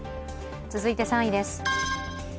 続いて３位です。